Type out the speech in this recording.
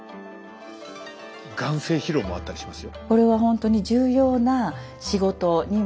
眼精疲労もあったりしますよ。